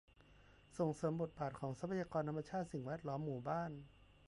ส่งเสริมบทบาทของทรัพยากรธรรมชาติ สิ่งแวดล้อม หมู่บ้าน